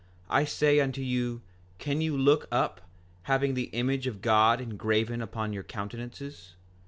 I say unto you, can you look up, having the image of God engraven upon your countenances?